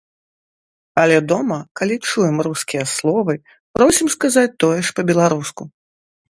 Але дома, калі чуем рускія словы, просім сказаць тое ж па-беларуску.